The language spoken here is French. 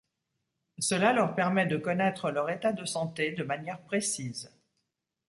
Cela leur permet de connaître leur état de santé de manière précise.